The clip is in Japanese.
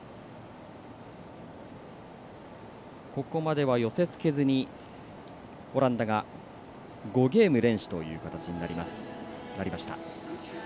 ここまでは寄せつけずにオランダが５ゲーム連取という形になりました。